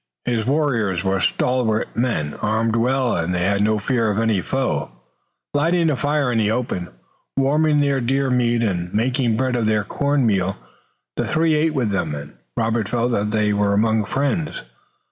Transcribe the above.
His warriors were stalwart men, armed well, and they had no fear of any foe, lighting a fire in the open, warming their deer meat and making bread of their corn meal. The three ate with them, and Robert felt that they were among friends.